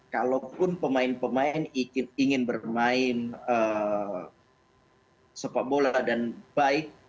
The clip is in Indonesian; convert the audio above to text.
kalaupun pemain pemain ingin bermain sepak bola dan baik